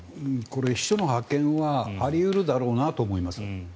これ、秘書の派遣はあり得るだろうなと思います。